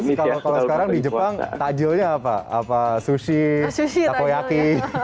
terus kalau sekarang di jepang tajilnya apa sushi takoyaki